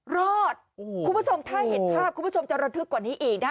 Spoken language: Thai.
คุณผู้ชมถ้าเห็นภาพคุณผู้ชมจะระทึกกว่านี้อีกนะคะ